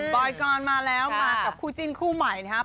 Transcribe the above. อยกรมาแล้วมากับคู่จิ้นคู่ใหม่นะครับ